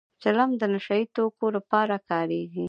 چلم د نشه يي توکو لپاره کارېږي